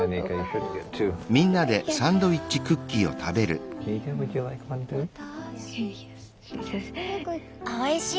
おいしい。